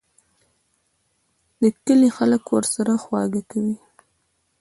د کلي خلک ورسره خواږه کوي.